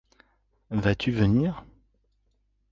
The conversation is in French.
Vas-tu venir?